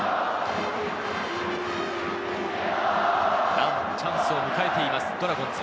なおもチャンスを迎えていますドラゴンズ。